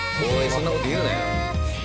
そんな事言うなよ」